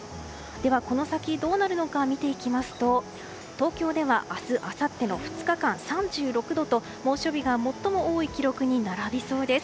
ではこの先どうなるのか見ていきますと東京では明日、あさっての２日間３６度と猛暑日が最も多い記録に並びそうです。